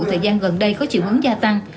thời gian gần đây có chịu hứng gia tăng